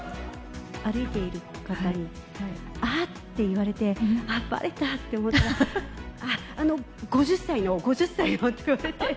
歩いている方に、あって言われて、あっ、ばれたと思ってたら、５０歳の、５０歳のって言われて。